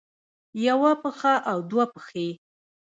يوه پښه او دوه پښې